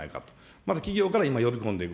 まず企業から呼び込んでいく。